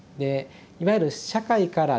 いわゆる社会からですね